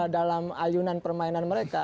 dalam ayunan permainan mereka